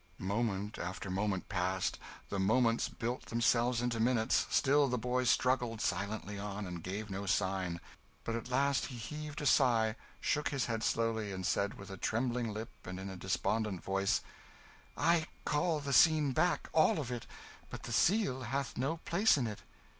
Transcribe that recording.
Moment after moment passed the moments built themselves into minutes still the boy struggled silently on, and gave no sign. But at last he heaved a sigh, shook his head slowly, and said, with a trembling lip and in a despondent voice "I call the scene back all of it but the Seal hath no place in it."